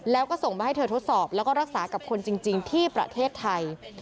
แล้วก็ส่งมาให้เธอทดสอบแล้วก็รักษากับคนจริงที่ประเทศไทย